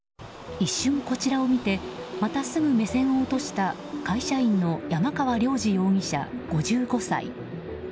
一瞬こちらを見てまたすぐ目線を落とした会社員の山川良二容疑者、５６歳。